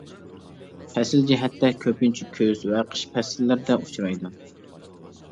پەسىل جەھەتتە: كۆپىنچە كۆز ۋە قىش پەسىللىرىدە ئۇچرايدۇ.